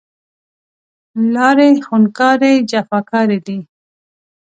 لارې خونکارې، جفاکارې دی